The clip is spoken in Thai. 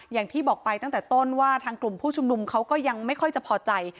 อย่างที่บอกไปตั้งแต่ต้นว่าทางกลุ่มผู้ชุมนุมเขาก็ยังไม่ค่อยจะพอใจ